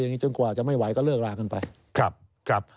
ยังงี้จนกว่าจะไม่ไหวก็เลิกล้าพอธกระตา